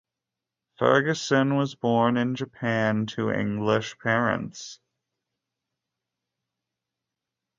Ferguson was born in Japan to English parents.